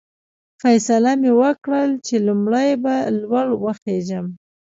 فیصله مې وکړل چې لومړی به لوړ وخېژم.